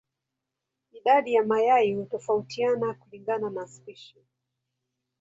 Idadi ya mayai hutofautiana kulingana na spishi.